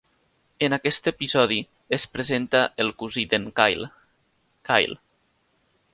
En aquest episodi es presenta el cosí d'en Kyle, Kyle.